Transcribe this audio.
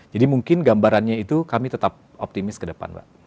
jadi mungkin gambarannya itu kami tetap optimis ke depan mbak